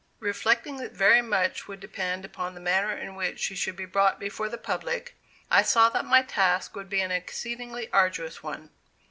Reflecting that very much would depend upon the manner in which she should be brought before the public, I saw that my task would be an exceedingly arduous one.